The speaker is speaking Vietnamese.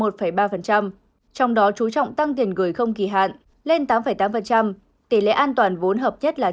trong đó chú trọng tăng tiền gửi không kỳ hạn lên tám tám tỷ lệ an toàn vốn hợp nhất là chín một mươi một